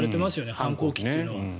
反抗期っていうのは。